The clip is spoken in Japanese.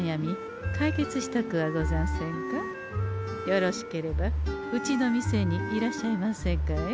よろしければうちの店にいらっしゃいませんかえ？